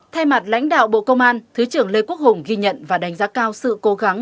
thay mặt lãnh đạo bộ công an thứ trưởng lê quốc hùng ghi nhận và đánh giá cao sự cố gắng